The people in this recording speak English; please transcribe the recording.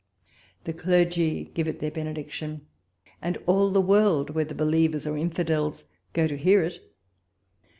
The clergy give it their benediction ; and all the world, whether believers or infidels, go to hear it.